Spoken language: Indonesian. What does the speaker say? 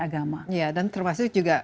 agama dan termasuk juga